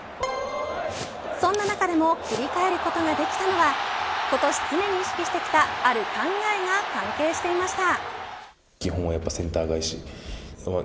そんな中でも切り替えることができたのは今年常に意識してきたある考えが関係していました。